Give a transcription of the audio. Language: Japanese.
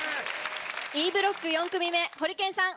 Ｅブロック４組目ホリケンさん